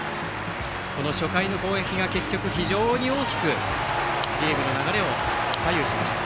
初回の攻撃が結局、非常に大きくゲームの流れを左右しました。